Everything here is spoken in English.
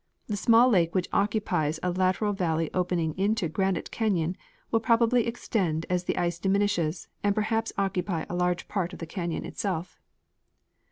The small lake which occupies a lateral valley opening into Granite canyon will probalily extend as the ice diminishes and perhaps occupy a large part of the canyon itself.